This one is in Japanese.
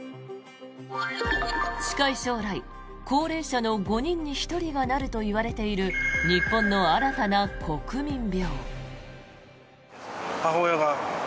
近い将来、高齢者の５人に１人がなるといわれている日本の新たな国民病。